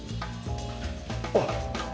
あっ！